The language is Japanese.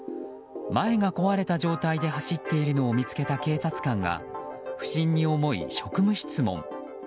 前が壊れた状態で走っているのを見つけた警察官が不審に思い職務質問。